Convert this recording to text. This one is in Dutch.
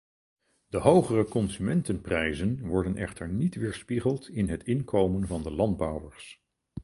De hogere consumentenprijzen worden echter niet weerspiegeld in het inkomen van de landbouwers.